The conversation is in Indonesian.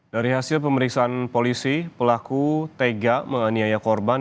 dari hasil pemeriksaan polisi pelaku tega menganiaya korban